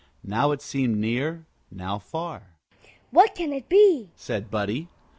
Now it seemed near, now far. "What can it be?" said Buddie.